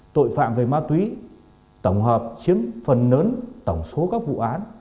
tội phạm về ma túy tổng hợp chiếm phần lớn tổng số các vụ án